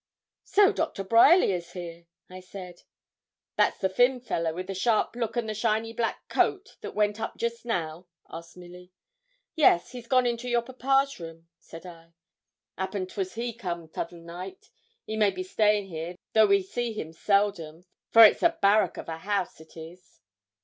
'So Doctor Bryerly is here,' I said. 'That's the thin fellow, wi' the sharp look, and the shiny black coat, that went up just now?' asked Milly. 'Yes, he's gone into your papa's room,' said I. ''Appen 'twas he come 'tother night. He may be staying here, though we see him seldom, for it's a barrack of a house it is.'